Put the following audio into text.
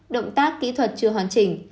động tác kỹ thuật chưa hoàn chỉnh